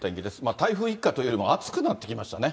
台風一過というよりも暑くなってきましたね。